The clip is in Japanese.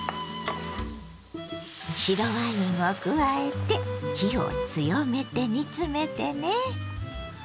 白ワインを加えて火を強めて煮詰めてね。